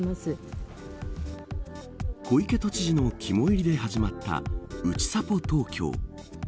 小池都知事の肝いりで始まったうちさぽ東京。